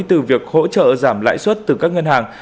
từ việc hỗ trợ giảm lãi suất từ các ngân hàng